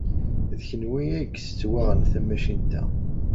D kenwi ay isettwaɣen tamacint-a.